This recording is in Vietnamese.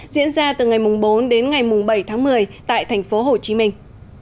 diễn ra từ ngày bốn đến ngày bảy tháng một mươi tại thành phố hồ chí minh